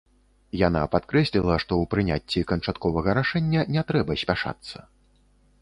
Яна падкрэсліла, што ў прыняцці канчатковага рашэння не трэба спяшацца.